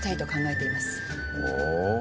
ほう。